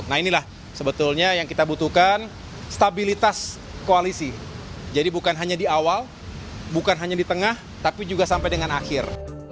nah inilah sebetulnya yang kita butuhkan stabilitas koalisi jadi bukan hanya di awal bukan hanya di tengah tapi juga sampai dengan akhir